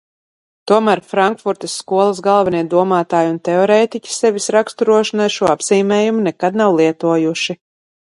Tomēr Frankfurtes skolas galvenie domātāji un teorētiķi sevis raksturošanai šo apzīmējumu nekad nav lietojuši.